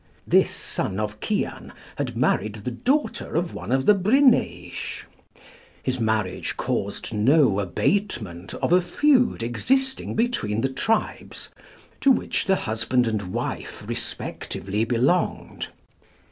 This son of Cian had married the daughter of one of the Bryneish. His marriage caused no abatement of a feud existing between the tribes to which the husband and wife respectively belonged.